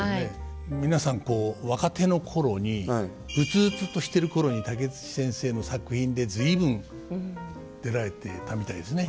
皆さん若手の頃に鬱々としてる頃に武智先生の作品で随分出られてたみたいですね。